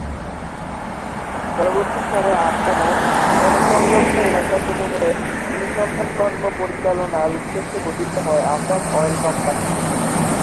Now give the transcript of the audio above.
পরবর্তী সময়ে আসাম ও তৎসংলগ্ন এলাকাসমূহে অনুসন্ধানকর্ম পরিচালনার উদ্দেশ্যে গঠিত হয় আসাম অয়েল কোম্পানি।